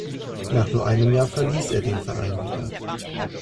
Nach nur einem Jahr verließ er den Verein wieder.